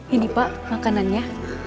ini pak makanannya